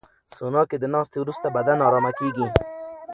سونا کې د ناستې وروسته بدن ارامه کېږي.